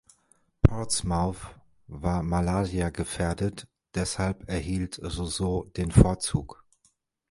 Portsmouth war Malaria-gefährdet, deshalb erhielt Roseau den Vorzug.